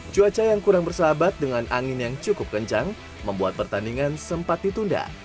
cuaca yang kurang bersahabat dengan angin yang cukup kencang membuat pertandingan sempat ditunda